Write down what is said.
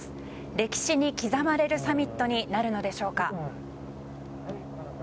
歴史に刻まれるサミットになるのでしょうか。